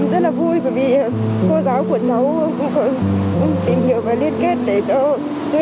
thế là chị cũng có được tình hình